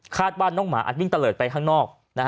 คาดบ้านน้องหมาอันวิ่งตะเลิศไปข้างนอก